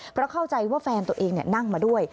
เพราะเข้าใจว่าแฟนตัวเองนั่งมาด้วย